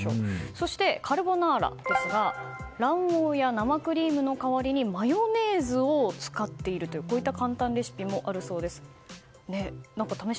そしてカルボナーラですが卵黄や生クリームの代わりにマヨネーズを使っているとこういった簡単レシピもあるそうです。